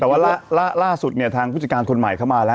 แต่ว่าล่าสุดเนี่ยทางผู้จัดการคนใหม่เข้ามาแล้ว